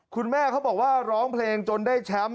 เขาบอกว่าร้องเพลงจนได้แชมป์